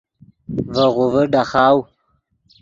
ڤے غوڤے ڈاخاؤ